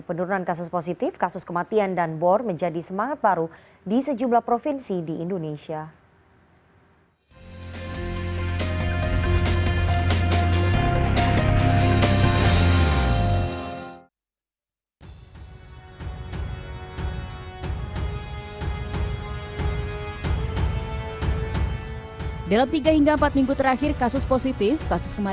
pendurunan kasus positif kasus kematian dan bor menjadi semangat baru di sejumlah provinsi di indonesia